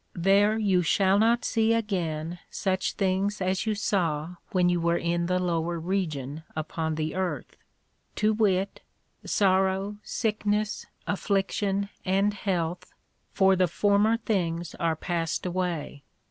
There you shall not see again such things as you saw when you were in the lower Region upon the earth, to wit, sorrow, sickness, affliction, and health, for the former things are passed away.